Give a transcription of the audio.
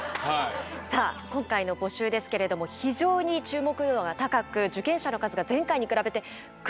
さあ今回の募集ですけれども非常に注目度が高く受験者の数が前回に比べてぐんと増えているんです。